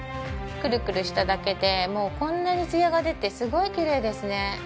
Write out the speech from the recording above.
くるくるしただけでもうこんなにツヤが出てすごいきれいですね。